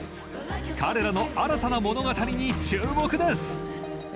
彼らの新たな物語に注目ですえ